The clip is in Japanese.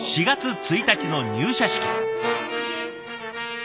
４月１日の入社式。